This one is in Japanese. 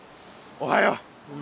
おはよう。